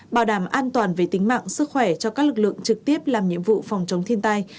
bảo đảm an toàn về tính mạng sức khỏe cho các lực lượng trực tiếp làm nhiệm vụ phòng chống thiên tai